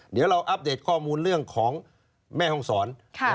เดี๋ยวเราอัปเดตข้อมูลเรื่องของแม่ห้องศร